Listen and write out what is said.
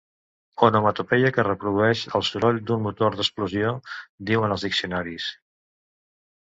Onomatopeia que reprodueix el soroll d'un motor d'explosió, diuen els diccionaris.